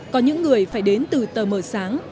có những người phải đến từ tờ mở sáng